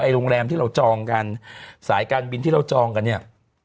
โรงแรมที่เราจองกันสายการบินที่เราจองกันเนี่ย